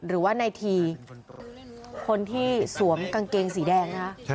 หรือว่าในทีคนที่สวมกางเกงสีแดงนะคะ